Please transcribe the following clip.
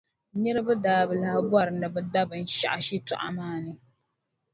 Niriba daa bi lahi bɔri ni bɛ da binshɛɣu shitɔɣu maa ni.